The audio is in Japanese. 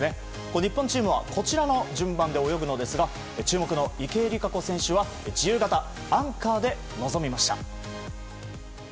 日本チームはこちらの順番で泳ぐのですが注目の池江璃花子選手は自由形、アンカーで臨みました。